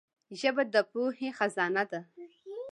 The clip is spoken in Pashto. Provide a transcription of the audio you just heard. ژبه د پوهي خزانه ده.